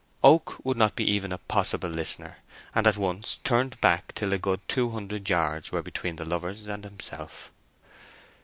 Oak would not be even a possible listener, and at once turned back till a good two hundred yards were between the lovers and himself.